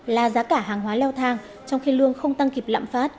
là giá cả hàng hóa leo thang trong khi lương không tăng kịp lạm phát